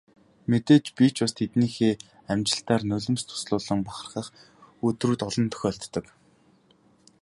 Мэдээж би ч бас тэднийхээ амжилтаар нулимс дуслуулан бахархах өдрүүд олон тохиолддог.